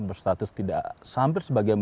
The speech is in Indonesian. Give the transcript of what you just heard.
berstatus tidak hampir sebagai yang